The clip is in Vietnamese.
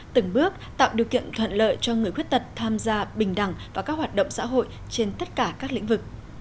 từng bước tạo điều kiện thuận lợi cho người khuyết tật tham gia bình đẳng vào các hoạt động xã hội trên tất cả các lĩnh vực